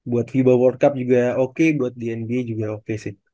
buat fiba world cup juga oke buat dnb juga oke sih